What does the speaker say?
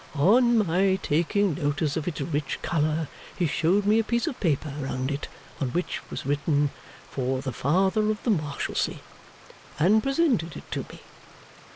On my taking notice of its rich colour, he showed me a piece of paper round it, on which was written, "For the Father of the Marshalsea," and presented it to me.